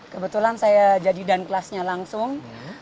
kebetulan saya jadi dan kelasnya langsung